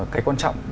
cái quan trọng